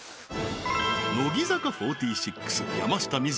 乃木坂４６山下美月